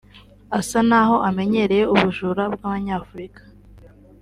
asa n’aho amenyereye ubujura bw’Abanyafurika